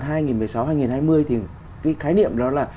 thì cái khái niệm đó là